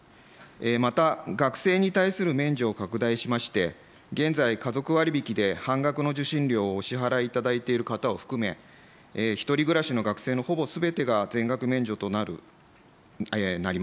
また、学生に対する免除を拡大しまして、現在、家族割引で半額の受信料をお支払いいただいている方を含め、１人暮らしの学生のほぼすべてが全額免除となります。